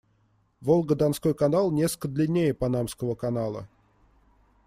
Волго-Донской канал несколько длиннее Панамского канала.